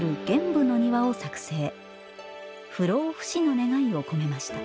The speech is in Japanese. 不老不死の願いを込めました。